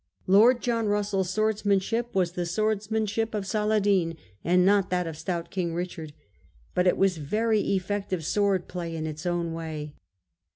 Lord John Russell's swordsman ship was the swordsmanship of Saladin, and not that of stout King Richard. But it was very effective sword play in its own way.